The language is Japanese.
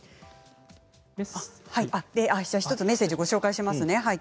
１つメッセージをご紹介します。